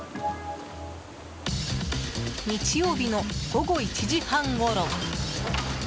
日曜日の午後１時半ごろ。